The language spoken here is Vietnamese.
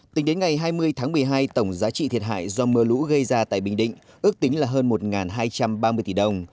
tính đến ngày hai mươi tháng một mươi hai tổng giá trị thiệt hại do mưa lũ gây ra tại bình định ước tính là hơn một hai trăm ba mươi tỷ đồng